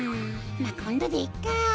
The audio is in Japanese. まあこんどでいっか。